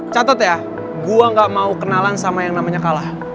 catat ya gue gak mau kenalan sama yang namanya kalah